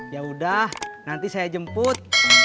yaudah nanti saya jemput